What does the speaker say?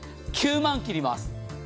９万切ります。